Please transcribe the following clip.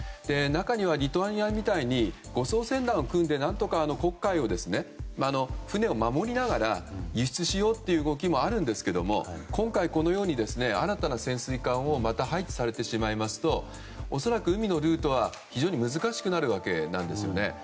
中にはリトアニアみたいに護送船団を組んで何とか黒海を、船を守りながら輸出しようという動きもあるんですけれども今回、このように新たな潜水艦をまた配置されてしまいますと恐らく海のルートは非常に難しくなるわけなんですよね。